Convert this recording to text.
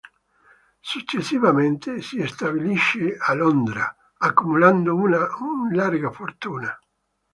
Successivamente si stabilisce a Londra, accumulando un larga fortuna.